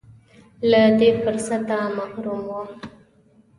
له دې فرصته محروم و.